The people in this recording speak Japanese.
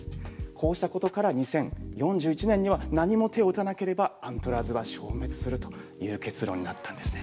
こうしたことから２０４１年には何も手を打たなければアントラーズは消滅するという結論になったんですね。